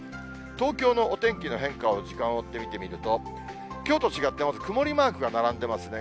東京のお天気の変化を時間を追って見てみると、きょうと違って、曇りマークが並んでますね。